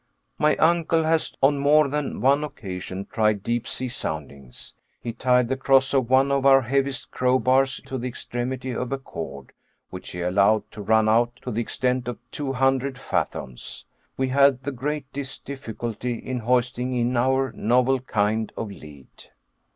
My uncle has on more than one occasion, tried deep sea soundings. He tied the cross of one of our heaviest crowbars to the extremity of a cord, which he allowed to run out to the extent of two hundred fathoms. We had the greatest difficulty in hoisting in our novel kind of lead.